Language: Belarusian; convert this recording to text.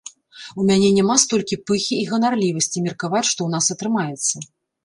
У мяне няма столькі пыхі і ганарлівасці меркаваць, што ў нас атрымаецца.